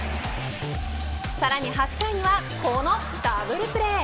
さらに８回にはこのダブルプレー。